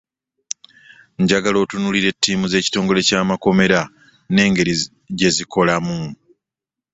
Njagala otunuulire ttiimu z'ekitongole ky'amakomera n'engeri gye zikolamu.